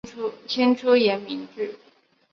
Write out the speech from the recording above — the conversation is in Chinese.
清初沿明制。